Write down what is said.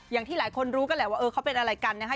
อย่างที่หลายคนรู้กันแหละว่าเออเขาเป็นอะไรกันนะคะ